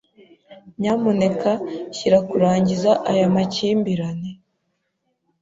Nyamuneka shyira kurangiza aya makimbirane.